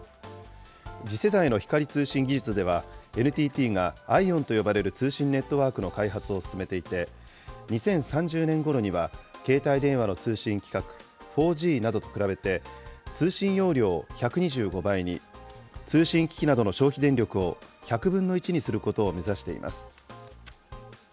次世代の光通信技術では、ＮＴＴがＩＯＷＮと呼ばれる通信ネットワークの開発を進めていて、２０３０年ごろには、携帯電話の通信規格、４Ｇなどと比べて、通信容量を１２５倍に、通信機器などの消費電力を１００分の１にすることを目指しています。